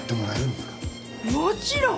もちろん！